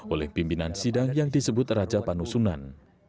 oleh pimpinan sidang yang disebut raja panusunan